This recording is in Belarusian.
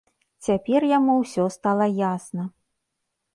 Цяпер яму ўсё стала ясна.